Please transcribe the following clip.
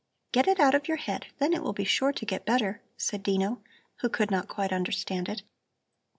Get it out of your head, then it will be sure to get better," said Dino, who could not quite understand it.